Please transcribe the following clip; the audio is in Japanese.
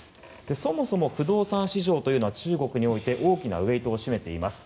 そもそも、不動産市場というのは中国において大きなウェートを占めています。